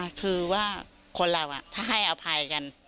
ไม่นะคือว่าคนเรานะถ้าให้อภัยกัน